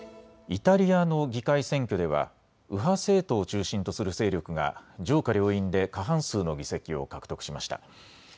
イタリアの議会選挙では右派政党を中心とする勢力が上下両院で過半数の議席を獲得しました。